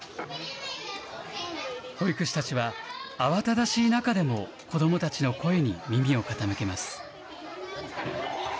保育士たちは慌ただしい中でも子どもたちの声に耳を傾けます。